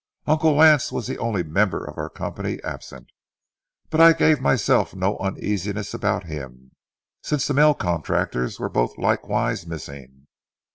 Uncle Lance was the only member of our company absent, but I gave myself no uneasiness about him, since the mail contractors were both likewise missing.